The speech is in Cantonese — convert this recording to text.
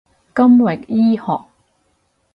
金域醫學